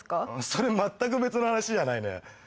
それまったく別の話じゃない？